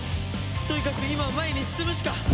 とにかく今は前に進むしか。